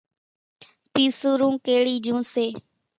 پِيسُورون ڪيڙِي جھون سي۔